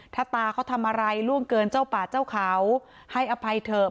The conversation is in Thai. ถ้าตาเขาทำอะไรล่วงเกินเจ้าป่าเจ้าเขาให้อภัยเถอะ